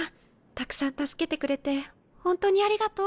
たくさん助けてくれてほんとにありがとう。